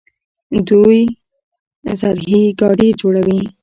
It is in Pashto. دوی زرهي ګاډي جوړوي.